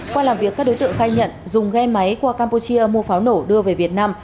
qua làm việc các đối tượng khai nhận dùng ghe máy qua campuchia mua pháo nổ đưa về việt nam